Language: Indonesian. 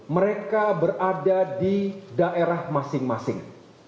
mereka berada di daerah masing masing